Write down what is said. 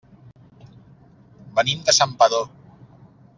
Venim de Santpedor.